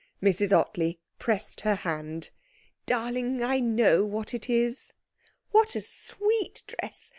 Mrs Ottley pressed her hand. 'Darling I know what it is. What a sweet dress!